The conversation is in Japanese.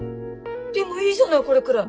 でもいいじゃないこれぐらい。